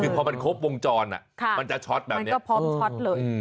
คือพอมันครบวงจรมันจะช็อตแบบนี้ก็พร้อมช็อตเลย